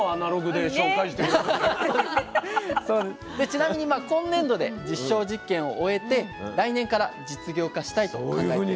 ちなみに今年度で実証実験を終えて来年から事業化したいと考えているそうです。